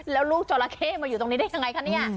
แล้วลูกจราเข้มาอยู่ตรงนี้ได้ยังไงคะเนี่ย